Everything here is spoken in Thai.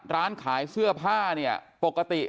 ร้านขายเสื้อผ้าเนี่ยปกติ